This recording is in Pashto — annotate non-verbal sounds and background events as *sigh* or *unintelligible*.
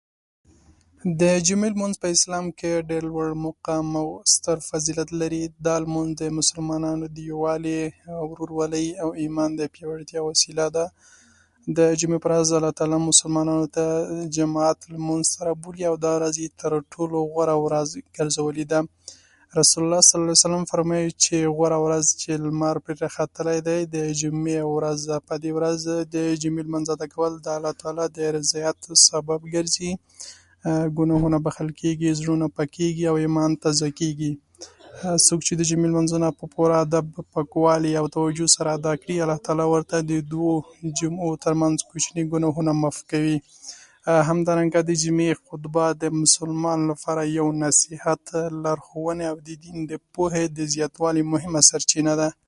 د جمعې لمونځ په اسلام کې ډېر لوړ مقام او ستر فضیلت لري. دا لمونځ د مسلمانانو د یووالي او ورورولۍ او ایمان د پیاوړتیا وسیله ده. د جمعې په ورځ الله تعالی مسلمانانو ته جماعت لمونځ ته رابولي، او دا شان تر ټولو غوره ورځ وي. *unintelligible* رسول الله صلی الله علیه وسلم فرمایي چې غوره ورځ چې لمر پرې راختلی دی، د جمعې ورځ ده. په دې ورځ د جمعې لمانځه ادا کول د الله تعالی د رضایت سبب ګرځي. ګناهونه بخښل کېږي، زړونه پاکېږي او ایمان تازه کېږي. هر څوک چې د جمعې لمونځونه په پوره ادب، پاکوالي او توجه سره ادا کړي، الله تعالی ورته د دوو جمعو تر منځ کوچني ګناهونه معاف کوي. همدارنګه د جمعې خطبه د مسلمان لپاره یو نصیحت، لارښوونه ده، د پوهې د زیاتوالي مهمه سرچینه ده.